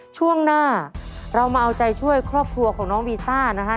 ช่วงหน้าเรามาเอาใจช่วยครอบครัวของน้องวีซ่านะฮะ